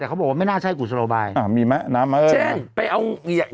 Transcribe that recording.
แต่เขาบอกว่าไม่น่าใช่กุศโลใบอ่ะมีไหมน้ำมาครับเช่นไปเอาอย่า